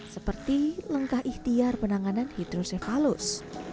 seperti lengkah ihtiar penanganan hidrosefalus